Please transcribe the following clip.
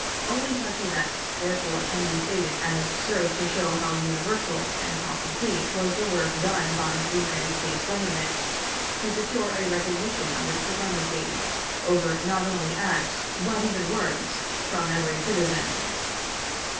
Only such events, therefore, can be stated as serve to show how universal and how complete was the work done by the United States Government to secure a recognition of its supremacy, over not only acts but even words, from every citizen.